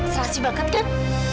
serasi banget kan